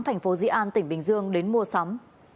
tp di an tỉnh bình dương đến mua sắm